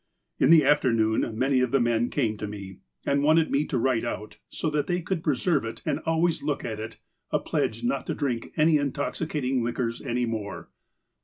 " In the afternoon, many of the men came to me, and wanted me to write out, so that they could preserve it and always look at it, a pledge not to drink any intoxi cating liquors any more.